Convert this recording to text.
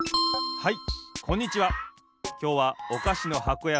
はい。